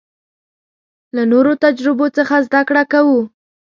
له نورو تجربو څخه زده کړه کوو.